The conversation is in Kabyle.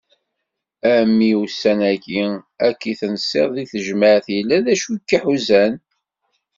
A mmi ussan-agi akk i tensiḍ deg tejmɛt yella d acu i k-iḥuzan?